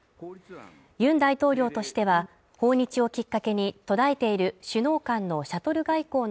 ユン大統領としては訪日をきっかけに途絶えている首脳間の